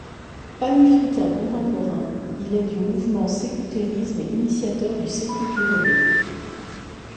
Panifricain contemporain, il est du mouvement sékouterisme et initiateurs du Sékou Touré Day.